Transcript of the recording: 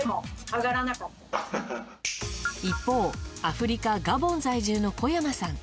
一方アフリカ・ガボン在住の小山さん。